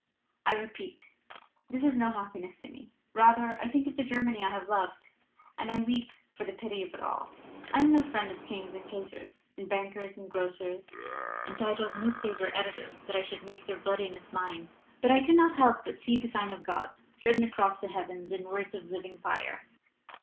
I repeat, this is no happiness to me. Rather, I think of the Germany I have loved, and I weep for the pity of it all. I am no friend of kings and kaisers and bankers and grocers and titled news paper editors, that I should make their bloodiness mine. But I cannot help but see the sign of God written across the heavens in words of living fire.